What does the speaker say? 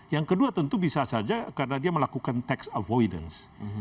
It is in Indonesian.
yang kedua tentu bisa saja karena dia melakukan tax avoidance